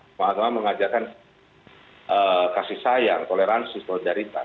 semua agama mengajarkan kasih sayang toleransi solidaritas